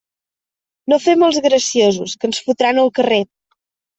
No fem els graciosos, que ens fotran al carrer.